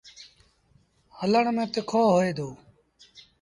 هلڻ ميݩ تکو هوئي دو۔